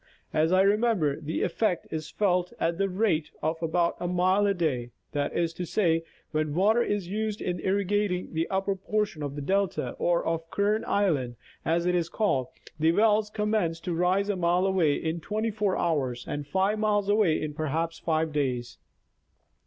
As I remember the effect is felt at the rate of irrigation in California. 287 about a mile a day, that is to say, when water is used in irriga ting the upper portion of the delta, or of Kern island, as it is called, the wells commence to rise a mile away in twenty four hours, and five miles away in perhaps five days.